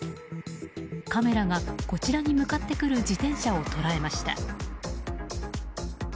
カメラがこちらに向かってくる自転車を捉えました。